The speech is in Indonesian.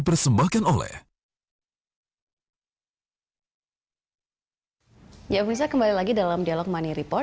berguna atau tidak corpo